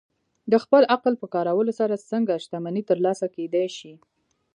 د خپل عقل په کارولو سره څنګه شتمني ترلاسه کېدای شي؟